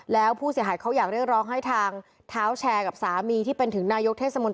แล้วผู้เสียหายเขาอยากเรียกร้องให้ทาน